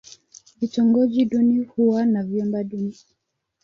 Vitongoji duni huwa na vyumba duni.